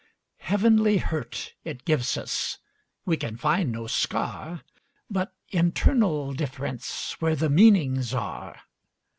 Heavenly hurt it gives us; We can find no scar, But internal differenceWhere the meanings are.